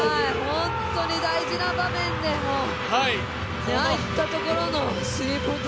本当に大事な場面でのああいったところのスリーポイント